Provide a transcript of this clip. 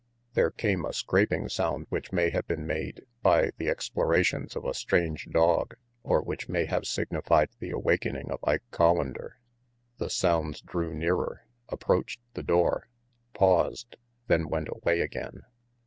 There came a scraping sound which may have been made by the explorations of a strange dog or which may have signified the awakening of Ike Collander. The sounds drew nearer, approached the door, paused, then went away again.